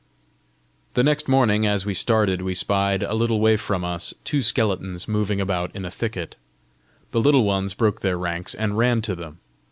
The next morning, as we started, we spied, a little way from us, two skeletons moving about in a thicket. The Little Ones broke their ranks, and ran to them.